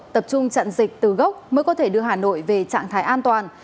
tập trung trận dịch từ gốc mới có thể đưa hà nội về trạng thái an toàn